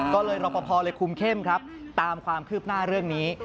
ก็เลยรอปภเลยคุมเข้มครับตามความคืบหน้าเรื่องนี้